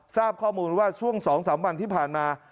ทราบข้อมูลว่าช่วง๒๓วันที่ผ่านมา